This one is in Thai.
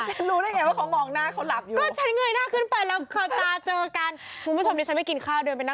อะไรก็เกิดขึ้นได้เพราะเราไม่เห็น